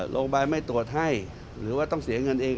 โรงพยาบาลไม่ตรวจให้หรือว่าต้องเสียเงินเอง